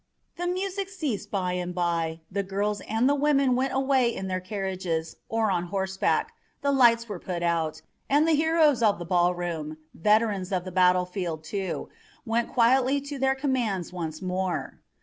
The music ceased bye and bye, the girls and the women went away in their carriages or on horseback, the lights were put out, and the heroes of the ballroom, veterans of the battlefield, too, went quietly to their commands once more.